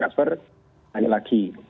jadi kita harus menangkapnya